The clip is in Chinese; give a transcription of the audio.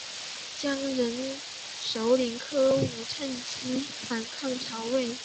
羌人首领柯吾趁机反抗曹魏。